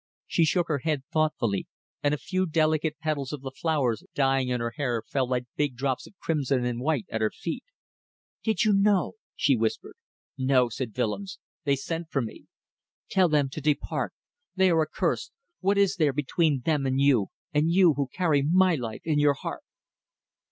She shook her head thoughtfully, and a few delicate petals of the flowers dying in her hair fell like big drops of crimson and white at her feet. "Did you know?" she whispered. "No!" said Willems. "They sent for me." "Tell them to depart. They are accursed. What is there between them and you and you who carry my life in your heart!"